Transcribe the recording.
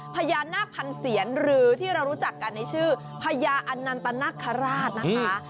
พญานาคพันเซียนหรือที่เรารู้จักกันในชื่อพญาอันนันตนคราชนะคะ